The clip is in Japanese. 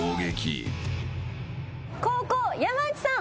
後攻山内さん